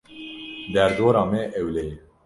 Derdora me ewle ye.